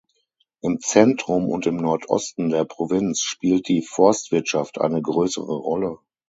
Im Zentrum und im Nordosten der Provinz spielt die Forstwirtschaft eine größere Rolle.